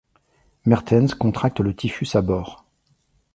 Mertens contracte le typhus à bord.